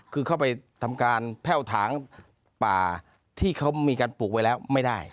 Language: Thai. คือเข้าไปทำการแพ่วถางป่าที่เขามีการปลูกไว้แล้วไม่ได้